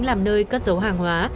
làm nơi cất dấu hàng hóa